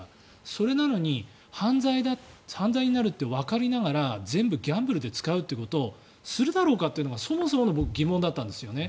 それなのに犯罪になるってわかりながら全部ギャンブルで使うということをするだろうかというのがそもそもの僕、疑問だったんですよね。